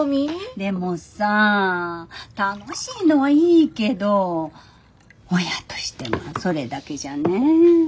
でもさ楽しいのはいいけど親としてはそれだけじゃねぇ。